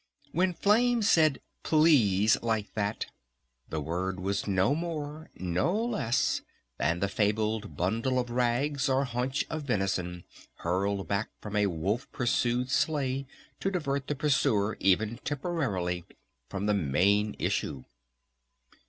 _" When Flame said "Please" like that the word was no more, no less, than the fabled bundle of rags or haunch of venison hurled back from a wolf pursued sleigh to divert the pursuer even temporarily from the main issue.